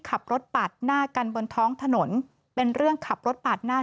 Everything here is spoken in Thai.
ขับรถปาดหน้ากันบนท้องถนนเป็นเรื่องขับรถปาดหน้า